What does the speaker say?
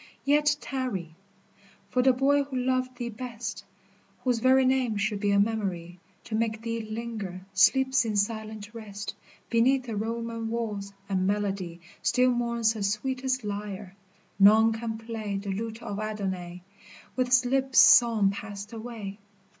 Yet tarry ! for the boy who loved thee best, Whose very name should be a memory To make thee linger, sleeps in silent rest Beneath the Roman walls, and melody Still mourns her sweetest lyre, none can play The lute of Adonais, with his lips Song passed away.